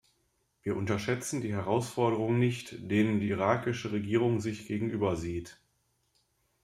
Wir unterschätzen die Herausforderungen nicht, denen die irakische Regierung sich gegenübersieht.